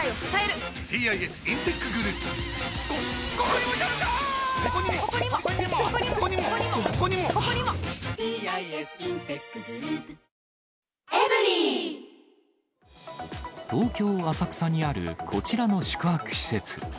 こうした中、東京・浅草にあるこちらの宿泊施設。